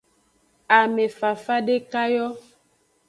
Amefafa dekayo.